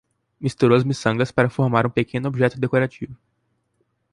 Misturou as miçangas para formar um pequeno objeto decorativo